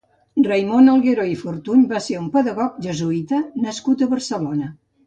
Raimon Algueró i Fortuny va ser un pedagog jesuïta nascut a Barcelona.